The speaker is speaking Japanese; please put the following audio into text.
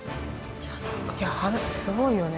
すごいよね